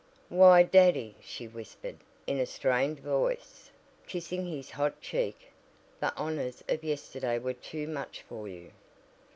"Why, Daddy," she whispered, in a strained voice, kissing his hot cheek, "the honors of yesterday were too much for you."